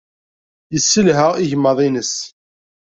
Yesselha igmaḍ-nnes.